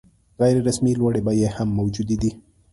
غیر رسمي لوړې بیې هم موجودې دي.